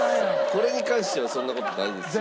これに関してはそんな事ないですよ。